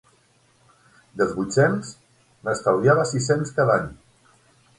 Dels vuit-cents, n'estalviava sis-cents cada any.